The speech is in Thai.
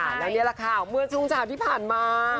และนี่แหละค่ะเมื่อช่วงเช้าที่ผ่านมา